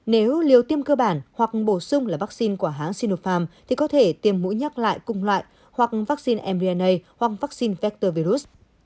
nếu liều tiêm cơ bản hoặc bổ sung là vaccine của hãng sinopharm thì có thể tiêm mũi nhắc lại cung loại hoặc vaccine mrna hoặc vaccine vector virus